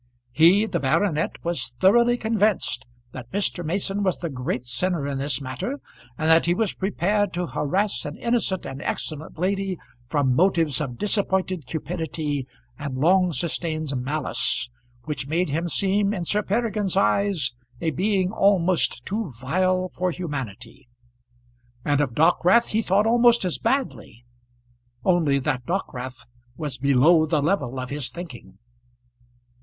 He, the baronet, was thoroughly convinced that Mr. Mason was the great sinner in this matter, and that he was prepared to harass an innocent and excellent lady from motives of disappointed cupidity and long sustained malice, which made him seem in Sir Peregrine's eyes a being almost too vile for humanity. And of Dockwrath he thought almost as badly only that Dockwrath was below the level of his thinking.